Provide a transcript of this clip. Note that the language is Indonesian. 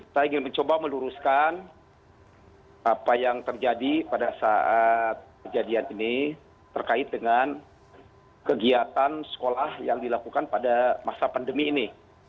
saya ingin mencoba meluruskan apa yang terjadi pada saat kejadian ini terkait dengan kegiatan sekolah yang dilakukan pada masa pandemi ini